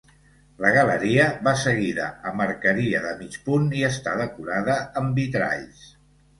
La galeria va seguida amb arqueria de mig punt i està decorada amb vitralls.